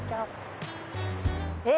えっ！